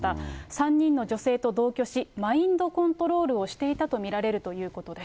３人の女性と同居し、マインドコントロールをしていたと見られるということです。